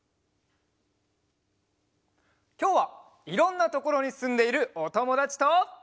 きょうはいろんなところにすんでいるおともだちと。